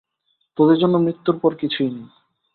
তোদের জন্য মৃত্যুর পর কিছুই নেই।